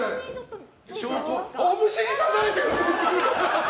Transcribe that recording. お虫に刺されてる！